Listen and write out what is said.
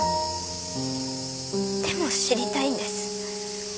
でも知りたいんです。